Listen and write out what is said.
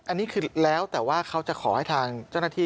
อันนี้คือแล้วแต่ว่าเขาจะขอให้ทางเจ้าหน้าที่